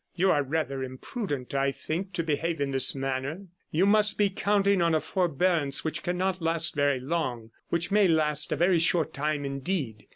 'You are rather imprudent, I think, to behave in this manner. You must be counting on a forbearance which cannot last very long, which may last a very short time indeed.